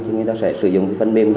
thì người ta sẽ sử dụng phần mềm